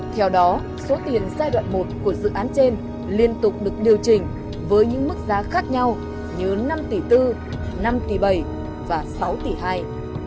theo đó số tiền giai đoạn một của dự án trên liên tục được điều chỉnh với những mức giá khác nhau như năm tỷ tư năm tỷ bảy và sáu tỷ hai